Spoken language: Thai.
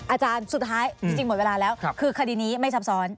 อาจารย์สุดท้ายจริงหมดเวลาแล้วคือคดีนี้ไม่ซับซ้อน